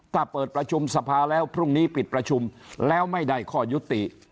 ถ้าเปิดประชุมสภาแล้วพรุ่งนี้ปิดประชุมแล้วไม่ได้ข้อยุติ